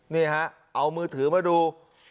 นี่ฮะเอามือถือมาดู